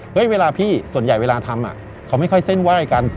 เวลาพี่ส่วนใหญ่เวลาทำเขาไม่ค่อยเส้นไหว้กัน